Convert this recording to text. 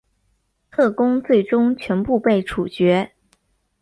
特工最终全部被处决。